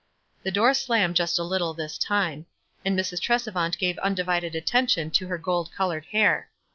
The door slammed just a little this time, and Mrs. Tresevaut gave undivided attention to her gold colored hair.